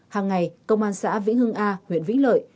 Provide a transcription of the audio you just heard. hàng ngày công an xã vĩnh hưng a huyện vĩnh lợi